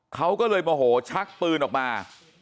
เขาก็เลยโมโหชักปืนออกมา